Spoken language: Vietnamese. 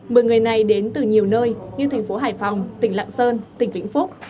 mười người này đến từ nhiều nơi như thành phố hải phòng tỉnh lạng sơn tỉnh vĩnh phúc